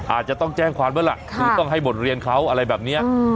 อาจจะต้องแจ้งความไว้ล่ะคือต้องให้บทเรียนเขาอะไรแบบนี้